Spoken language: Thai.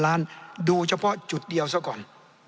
ล้านดูเฉพาะจุดเดียวซะก่อน